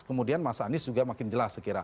kemudian mas anies juga makin jelas sekiranya